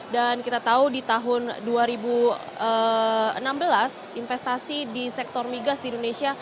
dan kita tahu di tahun dua ribu enam belas investasi di sektor migas di indonesia